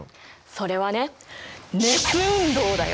それはね「熱運動」だよ！